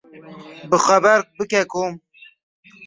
Bixweber bike kom.